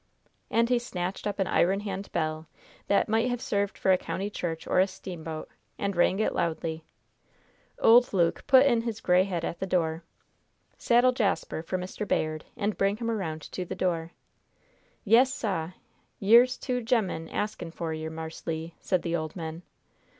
And he snatched up an iron hand bell, that might have served for a country church or a steamboat, and rang it loudly. Old Luke put in his gray head at the door. "Saddle Jasper for Mr. Bayard, and bring him around to the door." "Yes, sah! Yere's two ge'men axing for yer, Marse Le," said the old man.